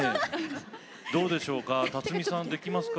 どうでしょうか辰巳さんできますか？